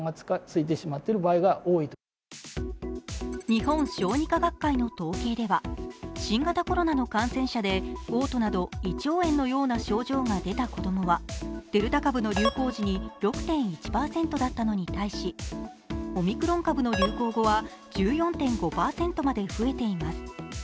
日本小児科学会の統計では、新型コロナの感染者でおう吐など胃腸炎のような症状が出た子供はデルタ株の流行時に６．１％だったのに対し、オミクロン株の流行後は１４．５％まで増えています。